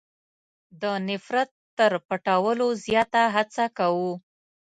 د نفرت تر پټولو زیاته هڅه کوو.